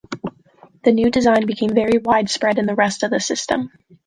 The new design became very widespread in the rest of the system.